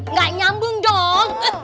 nggak nyambung dong